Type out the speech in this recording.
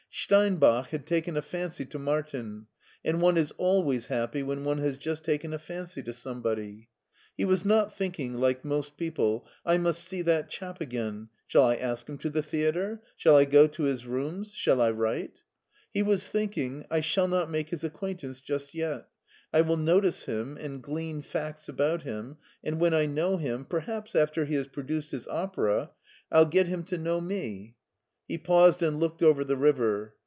Steinbach had taken a fancy to Martin, and one is always happy when one has just taken a fancy to somebody. He was not thinking, like most people, " I must see that chap again; shall I ask him to the theater, shall I ^o to his rooms, shall I write?" He was thinking, "I shall not make his acquaintance just yet. I will notice him anci glean facts about him, and when I know him, perhaps after he has produced his opera, I'll get him 90 MARTIN SCHULER to know me." He paused and looked over the river.